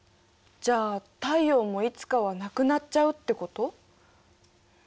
じゃあ太陽もいつかはなくなっちゃうってこと？